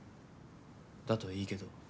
だといいけど。